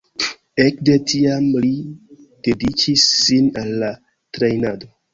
Ekde tiam li dediĉis sin al la trejnado.